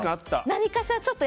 何かしらは。